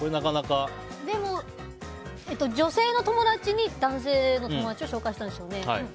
でも、女性の友達に男性の友達を紹介したんですよね。